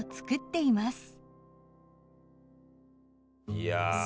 いや。